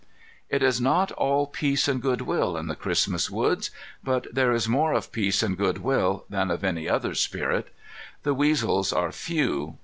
It is not all peace and good will in the Christmas woods. But there is more of peace and good will than of any other spirit. The weasels are few.